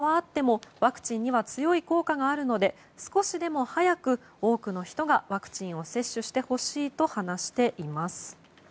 研究した中島教授は条件で差はあってもワクチンには強い効果があるので少しでも早く多くの人がワクチンを接種してほしいと話しています。